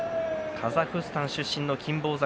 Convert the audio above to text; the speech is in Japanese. カザフスタン出身の金峰山